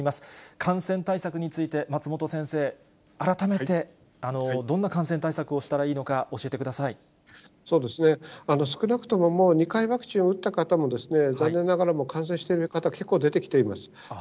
感染対策について、松本先生、改めて、どんな感染対策をしたら少なくとも、もう２回ワクチンを打った方も、残念ながら感染している方、結構出てきています。